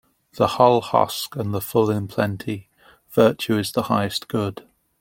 The hull husk and the full in plenty Virtue is the highest good.